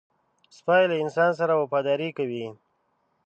سپي له انسان سره وفاداري کوي.